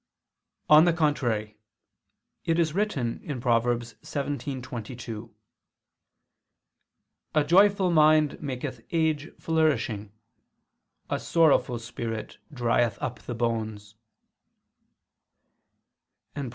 On the contrary, It is written (Prov. 17:22): "A joyful mind maketh age flourishing: a sorrowful spirit drieth up the bones": and (Prov.